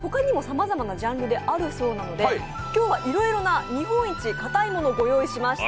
日本一かたいといわれる食べ物、他にもさまざまなジャンルであるそうなので今日はいろいろな日本一かたいものをご用意しました。